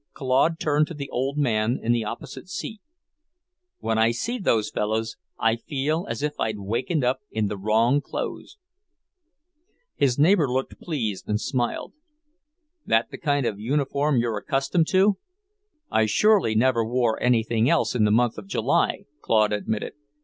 Claude turned to the old man in the opposite seat. "When I see those fellows, I feel as if I'd wakened up in the wrong clothes." His neighbour looked pleased and smiled. "That the kind of uniform you're accustomed to?" "I surely never wore anything else in the month of July," Claude admitted.